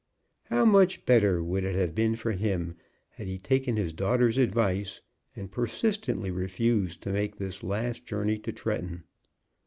How much better would it have been for him had he taken his daughter's advice, and persistently refused to make this last journey to Tretton!